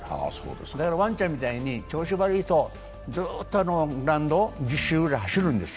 だから、ワンちゃんみたいに調子悪いとずっとグラウンド１０周ぐらい走るんですよ。